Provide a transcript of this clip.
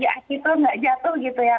hati hati itu tidak jatuh gitu ya